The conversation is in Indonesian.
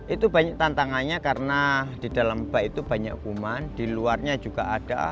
itu banyak tantangannya karena di dalam bak itu banyak kuman di luarnya juga ada